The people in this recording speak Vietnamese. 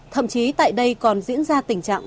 thậm chí tại đây còn diễn ra tình trạng